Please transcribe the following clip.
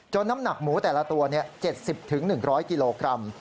น้ำหนักหมูแต่ละตัว๗๐๑๐๐กิโลกรัม